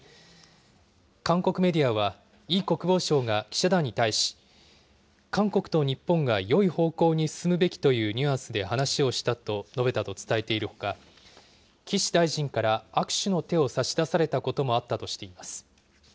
韓国メディアは、イ国防相が記者団に対し、韓国と日本がよい方向に進むべきというニュアンスで話をしたと述べたと伝えているほか、岸大臣から握手の手を差し出されたこともあったとしています。